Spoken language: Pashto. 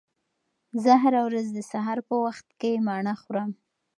زه هره ورځ د سهار په وخت کې مڼه خورم.